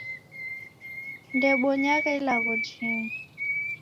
Ndebonyagha ilagho jingu